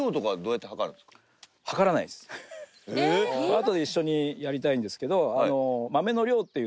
あとで一緒にやりたいんですけど。